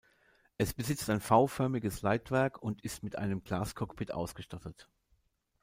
Es besitzt ein V-förmiges Leitwerk und ist mit einem Glascockpit ausgestattet.